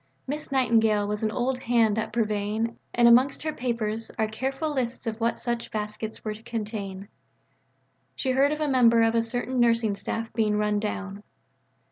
Miss Nightingale was an old hand at purveying, and amongst her papers are careful lists of what such baskets were to contain. She heard of a member of a certain nursing staff being run down.